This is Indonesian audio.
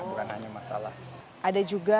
bukan hanya masalah ada juga